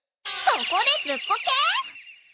そこでずっこけ！？